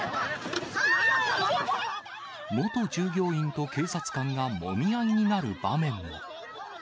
元従業員と警察官がもみ合いになる場面も。